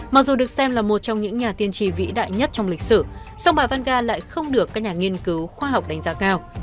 mặc dù được xem là một trong những nhà tiên tri vĩ đại nhất trong lịch sử song bà vanga lại không được các nhà nghiên cứu khoa học đánh giá cao